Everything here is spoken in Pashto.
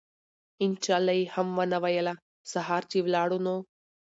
إن شاء الله ئي هم ونه ويله!! سهار چې لاړو نو